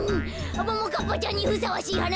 「ももかっぱちゃんにふさわしいはな」